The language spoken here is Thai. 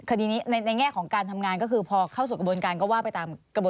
คดีนี้ในแง่ของการทำงานก็คือพอเข้าสู่กระบวนการก็ว่าไปตามกระบวน